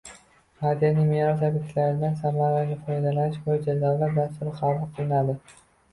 madaniy meros obyektlaridan samarali foydalanish bo‘yicha davlat dasturi qabul qilinadi.